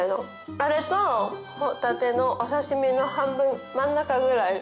あれとホタテのお刺し身の半分真ん中ぐらい。